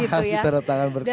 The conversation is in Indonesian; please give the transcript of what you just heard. nah hasil terletakkan berkas